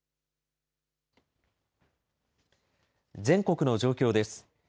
全国の状況です。